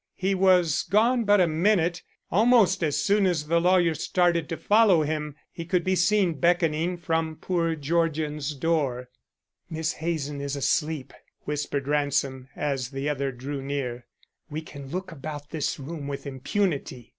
He was gone but a minute. Almost as soon as the lawyer started to follow him, he could be seen beckoning from poor Georgian's door. "Miss Hazen is asleep," whispered Ransom, as the other drew near. "We can look about this room with impunity."